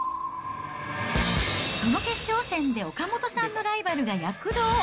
その決勝戦で岡本さんのライバルが躍動。